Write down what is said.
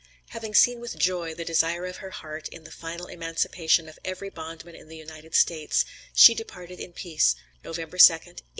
Having seen with joy, the desire of her heart, in the final emancipation of every bondman in the United States, she departed in peace, November 2, 1867, in the 74th year of her age.